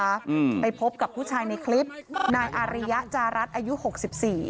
อืมไปพบกับผู้ชายในคลิปนายอาริยะจารัสอายุหกสิบสี่